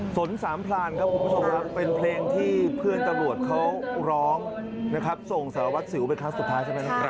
สนสามพลานครับคุณผู้ชมครับเป็นเพลงที่เพื่อนตำรวจเขาร้องนะครับส่งสารวัตรสิวเป็นครั้งสุดท้ายใช่ไหมนะครับ